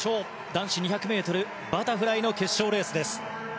男子２００ｍバタフライの決勝レースです。